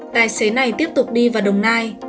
tài xế này tiếp tục đi vào đồng nai